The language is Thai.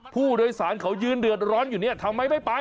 ผู้โดยสารเขายืนเดือดร้อนอยู่เนี่ยทำไมไม่ไป